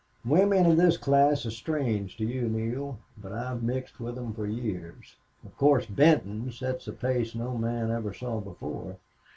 "Women of this class are strange to you, Neale. But I've mixed with them for years. Of course Benton sets a pace no man ever saw before.